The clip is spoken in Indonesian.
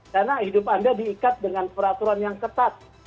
karena hidup anda diikat dengan peraturan yang ketat